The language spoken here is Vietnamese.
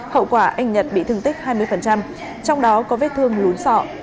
hậu quả anh nhật bị thương tích hai mươi trong đó có vết thương lún sọ